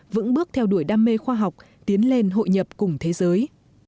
vững bước theo đuổi đam mê khoa học tiến lên hội nhập cùng thế giới